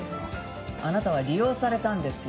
あなたは利用されたんですよ。